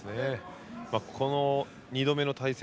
この２度目の対戦